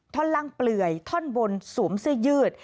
ท่อนล่างเปลื่อยท่อนบนสวมเสื้อยืด